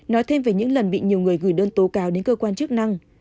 nói thêm về những lần bị nhiều người gửi đơn tố cáo đến cơ quan chức năng